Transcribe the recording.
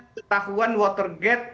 perangkat yang berpengaruh